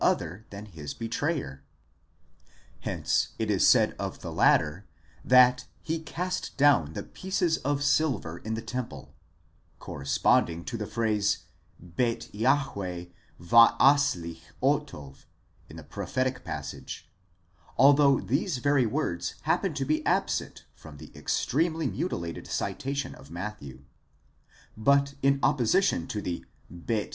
other than his betrayer. Hence it is said of the latter, that Ae cast down the pieces of silver in the temple ἐν τῷ ναῷ corresponding to the phrase ink PONY mA} ΓΞ in the prophetic passage, although these very words happen to be absent from the extremely mutilated citation of Matthew. But in apposition to the 7}7!